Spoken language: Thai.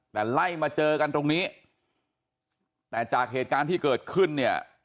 แต่ไล่มาเจอกันตรงนี้แต่จากเหตุการณ์ที่เกิดขึ้นเนี่ย